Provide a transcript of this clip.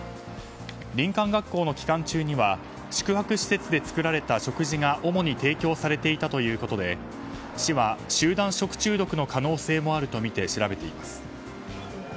林間学校の期間中には宿泊施設で作られた食事が主に提供されていたということで市は集団食中毒の可能性もあるとみて調べています。